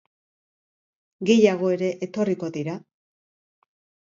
Gehiago ere etorriko dira?